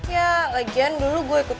ya agen dulu gue ikut